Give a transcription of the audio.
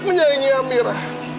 dia berangkat menyaingi amira